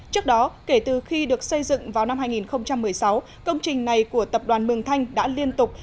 trước đó kể từ khi được xây dựng vào năm hai nghìn một mươi sáu công trình này của tập đoàn mường thanh đã liên tục